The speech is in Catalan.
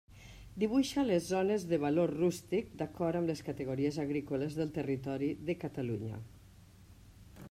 Dibuixa les zones de valor rústic, d'acord amb les categories agrícoles del territori de Catalunya.